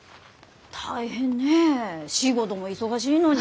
大変ねえ仕事も忙しいのに。